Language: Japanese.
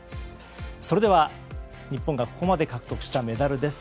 それでは日本がここまで獲得したメダルです。